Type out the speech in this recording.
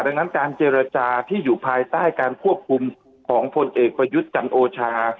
ดังนั้นการเจรจาที่อยู่ภายใต้การควบคุมของพลเอกประยุทธ์จันโอชา